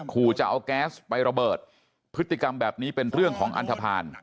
ขู่จะเอาแก๊สไประเบิดพฤติกรรมแบบนี้เป็นเรื่องของอันทภาณ